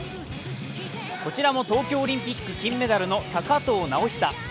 こちらも東京オリンピック金メダルの高藤直寿。